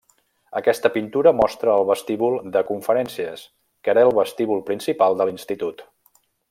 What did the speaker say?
Aquesta pintura mostra el vestíbul de conferències, que era el vestíbul principal de l'Institut.